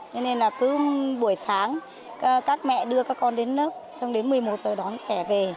cho nên là cứ buổi sáng các mẹ đưa các con đến lớp xong đến một mươi một giờ đón trẻ về